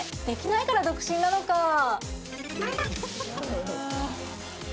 できないから独身なのか。